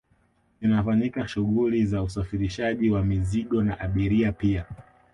zinafanyika shughuli za usafirishaji wa mizigo na abiria pia